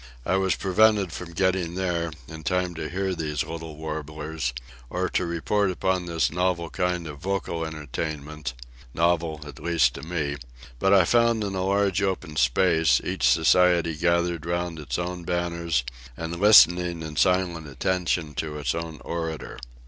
I was prevented from getting there, in time to hear these Little Warblers, or to report upon this novel kind of vocal entertainment: novel, at least, to me: but I found in a large open space, each society gathered round its own banners, and listening in silent attention to its own orator.